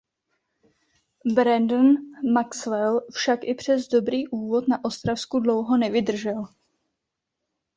Brandon Maxwell však i přes dobrý úvod na Ostravsku dlouho nevydržel.